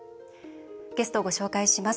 ゲスト、ご紹介します。